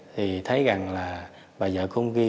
thì thấy rằng là bà vợ của ông vi